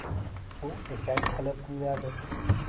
U eshak qilib minadi.